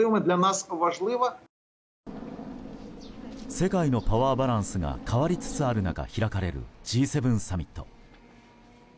世界のパワーバランスが変わりつつある中、開かれるＧ７サミット。